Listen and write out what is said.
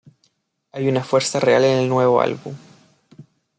Hay una fuerza real en el nuevo álbum"".